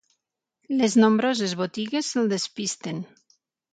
Les nombroses botigues el despisten.